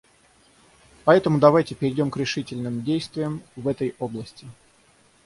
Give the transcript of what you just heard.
Поэтому давайте перейдем к решительным действиям в этой области.